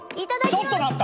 ちょっと待った！